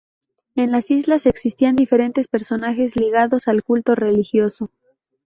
En las islas existían diferentes personajes ligados al culto religioso.